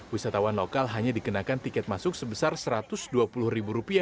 wisatawan lokal hanya dikenakan tiket masuk sebesar rp satu ratus dua puluh